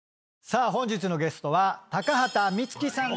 さあ本日のゲストは高畑充希さん